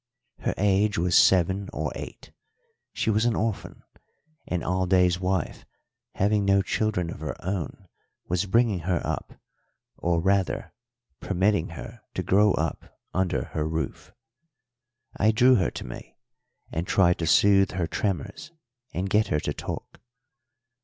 Her age was seven or eight; she was an orphan, and Alday's wife, having no children of her own, was bringing her up, or, rather, permitting her to grow up under her roof. I drew her to me, and tried to soothe her tremors and get her to talk.